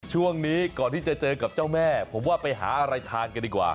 ช่วงนี้ก่อนที่จะเจอกับเจ้าแม่ผมว่าไปหาอะไรทานกันดีกว่า